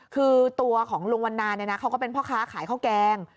คือตัวของลุงวันนาเนี่ยนะเขาก็เป็นพ่อค้าขายข้าวแกง